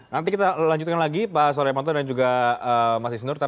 nanti kita lanjutkan lagi pak solemanto dan juga mas isnur